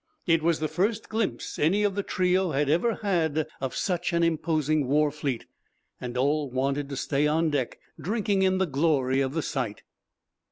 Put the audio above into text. It was the first glimpse any of the trio had ever had of such an imposing war fleet, and all wanted to stay on deck drinking in the glory of the sight.